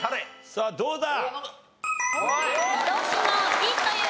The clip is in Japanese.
さあどうだ？